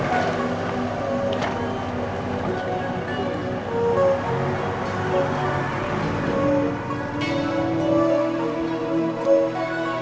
kamu udah siap mas